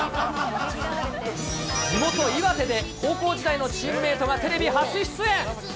地元、岩手で高校時代のチームメートがテレビ初出演。